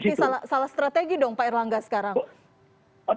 ini salah strategi dong pak erlangga sekarang